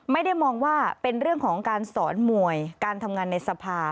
ไม่ได้มองว่าเป็นเรื่องของการสอนมวยการทำงานในสภา